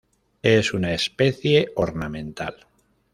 Es una especie ornamental.